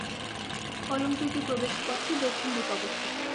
অলঙ্কৃত প্রবেশ পথটি দক্ষিণ দিক অবস্থিত।